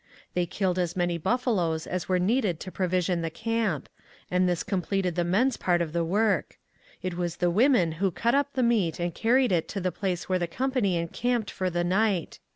They killed as many buffaloes as were needed to provision the camp, and this completed the men's part of the work. It was the women who cut up the meat and carried it to the place where the company encamped for the night.